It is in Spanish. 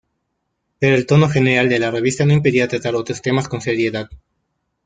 Pero el tono general de la revista no impedía tratar otros temas con seriedad.